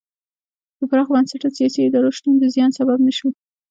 د پراخ بنسټه سیاسي ادارو شتون د زیان سبب نه شو.